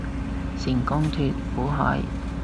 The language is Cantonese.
成功脫苦海